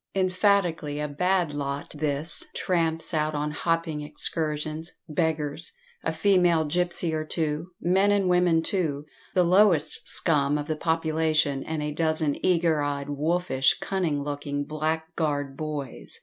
Emphatically a "bad lot" this, tramps out on hopping excursions, beggars, a female gipsy or two men and women, too, the lowest scum of the population, and a dozen eager eyed, wolfish, cunning looking blackguard boys.